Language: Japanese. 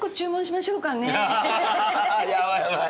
やばいやばい。